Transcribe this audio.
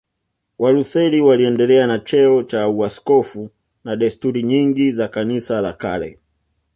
Walutheri waliendelea na cheo cha uaskofu na desturi nyingi za Kanisa la kale